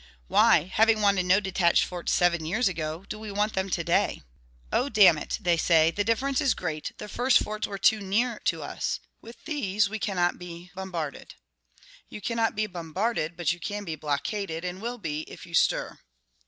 Why, having wanted no detached forts seven years ago, do we want them to day? "Oh! damn it," they say, "the difference is great; the first forts were too near to us; with these we cannot be bombarded." You cannot be bombarded; but you can be blockaded, and will be, if you stir.